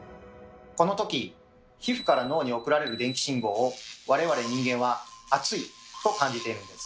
このとき皮膚から脳に送られる電気信号を我々人間は「暑い」と感じているんです。